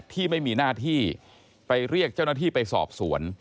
ที่ไม่มีหน้าที่ไปเรียกเจ้าหน้าที่ไปสอบสวน